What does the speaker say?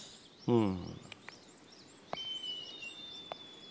うん。